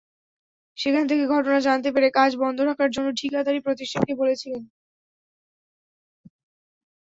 সেখান থেকে ঘটনা জানতে পেরে কাজ বন্ধ রাখার জন্য ঠিকাদারি প্রতিষ্ঠানকে বলেছিলেন।